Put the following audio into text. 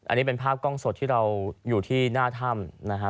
อันนี้เป็นภาพกล้องสดที่เราอยู่ที่หน้าถ้ำนะฮะ